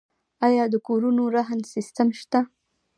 آیا د کورونو رهن سیستم شته؟